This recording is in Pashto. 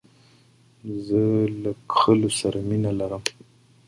زه د کښلو سره مینه لرم.